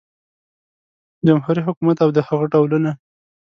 جمهوري حکومت او د هغه ډولونه